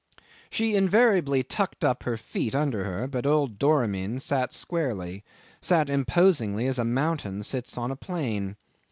'She invariably tucked up her feet under her, but old Doramin sat squarely, sat imposingly as a mountain sits on a plain.